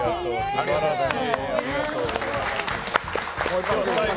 ありがとうございます。